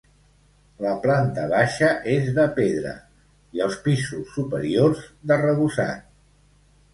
La planta baixa és de pedra i els pisos superiors d'arrebossat.